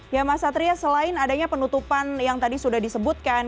ya mas satria selain adanya penutupan yang tadi sudah disebutkan